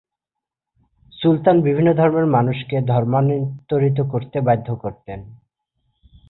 সুলতান বিভিন্ন ধর্মের মানুষকে ধর্মান্তরিত করতে বাধ্য করতেন।